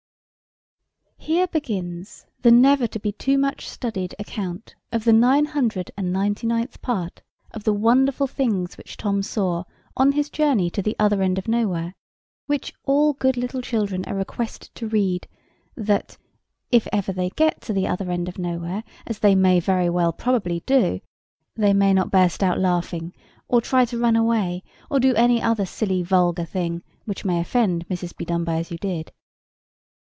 [Picture: Tom and dog] HERE begins the never to be too much studied account of the nine hundred and ninety ninth part of the wonderful things which Tom saw on his journey to the Other end of Nowhere; which all good little children are requested to read; that, if ever they get to the Other end of Nowhere, as they may very probably do, they may not burst out laughing, or try to run away, or do any other silly vulgar thing which may offend Mrs. Bedonebyasyoudid.